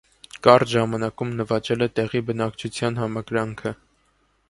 Կարճ ժամանակից նվաճել է տեղի բնակչության համակրանքը։